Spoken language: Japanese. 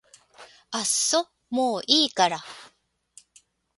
あっそもういいから